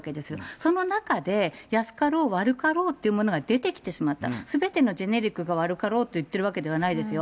その中で安かろう悪かろうというものが出てきてしまった、すべてのジェネリックが悪かろうと言ってるわけではないですよ。